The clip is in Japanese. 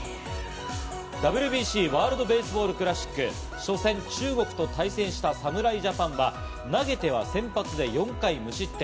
ＷＢＣ＝ワールド・ベースボール・クラシック初戦、中国と対戦した侍ジャパンは、投げては先発で４回無失点。